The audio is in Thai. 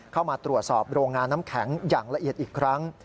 เข้ามาตรวจสอบโรงงานน้ำแข็งอย่างละเอียดอีกครั้ง